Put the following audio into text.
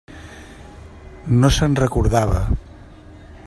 No se'n recordava.